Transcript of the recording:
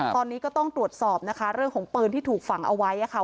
ตอนนี้ก็ต้องตรวจสอบนะคะเรื่องของปืนที่ถูกฝังเอาไว้ค่ะ